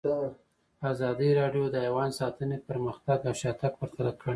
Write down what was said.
ازادي راډیو د حیوان ساتنه پرمختګ او شاتګ پرتله کړی.